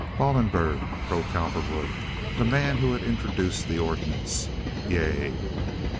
"Ballenberg?" (Pro Cowperwood; the man who had introduced the ordinance.) "Yea."